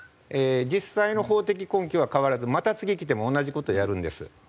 実際の法的根拠は変わらずまた次来ても同じ事をやるんです。